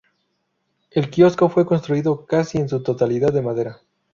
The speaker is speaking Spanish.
El kiosco fue construido casi en su totalidad de madera.